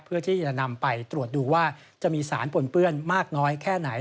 เพื่อที่จะนำไปตรวจดูว่าจะมีสารปนเปื้อนมากน้อยแค่ไหน